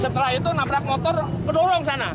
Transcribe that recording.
setelah itu naprak motor mendorong sana